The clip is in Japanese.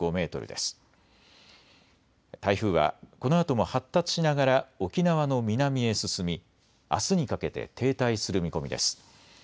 台風は、このあとも発達しながら沖縄の南へ進みあすにかけて停滞する見込みです。